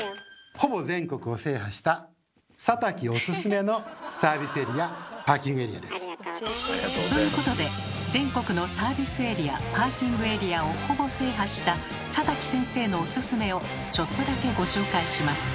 ほぼ全国を制覇したありがとうございます。ということで全国のサービスエリア・パーキングエリアをほぼ制覇した佐滝先生のオススメをちょっとだけご紹介します。